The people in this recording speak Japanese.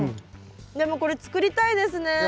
でもこれ作りたいですね。